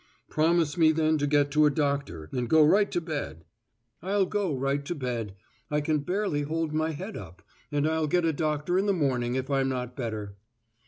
"Promise me then to get a doctor and go right to bed." "I'll go right to bed I can barely hold my head up, and I'll get a doctor in the morning if I'm not better."